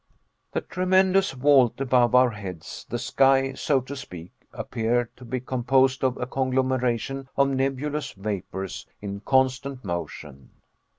The tremendous vault above our heads, the sky, so to speak, appeared to be composed of a conglomeration of nebulous vapors, in constant motion.